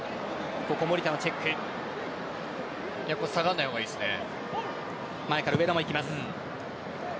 下がらない方がいいですね。